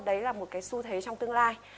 đấy là một cái su thế trong tương lai